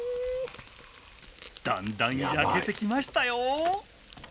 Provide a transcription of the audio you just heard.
だんだん焼けてきましたよ！